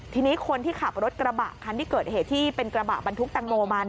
ทีนี้คนที่ขับรถกระบะคันที่เกิดเหตุที่เป็นกระบะบรรทุกตังโมมา